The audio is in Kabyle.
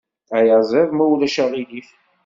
Ayaziḍ, ma ulac aɣilif.